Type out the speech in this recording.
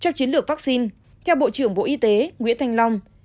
trong chiến lược vaccine theo bộ trưởng bộ y tế nguyễn thanh long